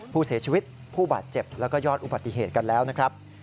ผู้เสียชีวิตผู้บาดเจ็บแล้วก็ยอดอุบัติเหตุกันแล้วนะครับ